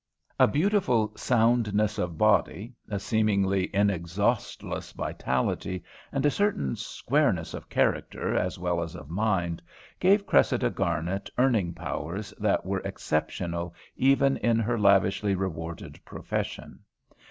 A beautiful soundness of body, a seemingly exhaustless vitality, and a certain "squareness" of character as well as of mind, gave Cressida Garnet earning powers that were exceptional even in her lavishly rewarded profession.